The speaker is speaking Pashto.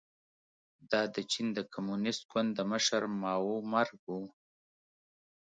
دا د چین د کمونېست ګوند د مشر ماوو مرګ و.